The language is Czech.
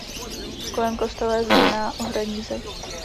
Kolem kostela je zděná ohradní zeď.